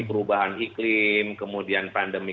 perubahan iklim kemudian pandemi